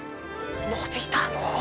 伸びたのう！